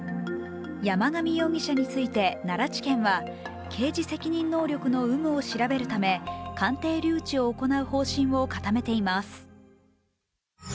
山上容疑者について奈良地検は刑事責任能力の有無を調べるため鑑定留置を行う方針を固めています。